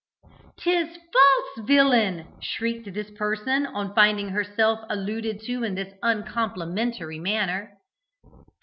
"'Tis false, villain!" shrieked this person, on finding herself alluded to in this uncomplimentary manner.